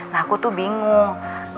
nah aku tuh bingung